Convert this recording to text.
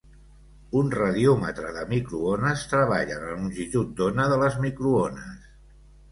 Un radiòmetre de microones treballa en la longitud d'ona de les microones.